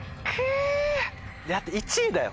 だって１位だよ？